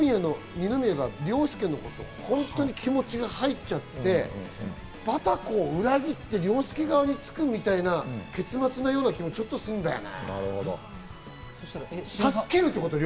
二宮とバタコさん、繋がってるって、俺は最後は二宮が凌介に本当に気持ちが入っちゃって、バタコを裏切って凌介側につくみたいな結末のような気もちょっとするんだよね。